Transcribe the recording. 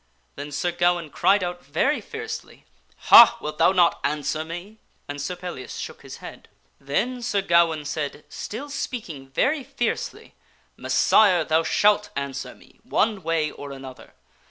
Then Sir Gawaine cried out very fiercely, " Ha ! wilt thou not answer me?" and Sir Pellias shook his head. Then Sir Gawaine said, still speaking very fiercely, " Messire ! thou shalt answer me one way or another